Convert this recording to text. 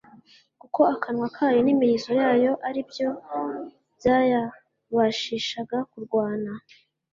Kuko akanwa kayo n’imirizo yayo ari byo byayabashishaga kurwana,